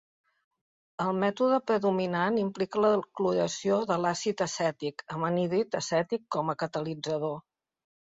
El mètode predominant implica la cloració de l'àcid acètic, amb anhídrid acètic com a catalitzador.